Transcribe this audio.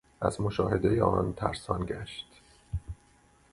از مشاهدۀ آن ترسان گشت